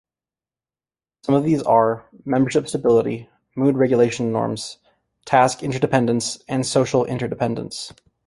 Some of these are: membership stability, mood-regulation norms, task interdependence and social interdependence.